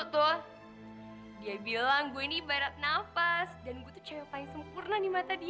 tuh dia bilang gue nih barat nafas dan gue tuh cewek paling sempurna nih mata dia